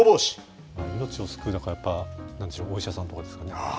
命を救うだから、やっぱお医者さんとかですかね。